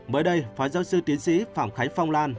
mới đây phó giáo sư tiến sĩ phạm khánh phong lan